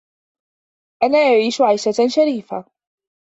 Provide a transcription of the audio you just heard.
أنا أعيش عيشة شريفة.